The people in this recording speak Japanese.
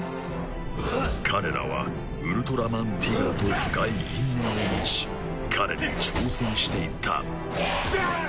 彼らはウルトラマンティガと深い因縁を持ち彼に挑戦していったテヤッ！